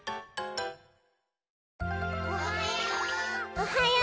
おはよう！